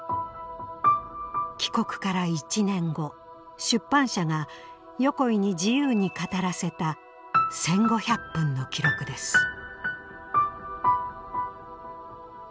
帰国から１年後出版社が横井に自由に語らせた１，５００分の記録です。